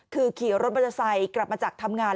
คือขี่รถมอเตอร์ไซค์กลับมาจากทำงาน